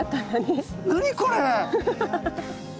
何これ！